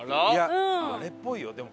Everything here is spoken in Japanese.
あれっぽいよでも。